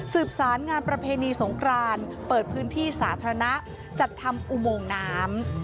สารงานประเพณีสงครานเปิดพื้นที่สาธารณะจัดทำอุโมงน้ำ